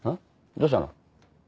どうしたの？